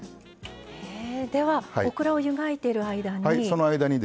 ではオクラを湯がいてる間に。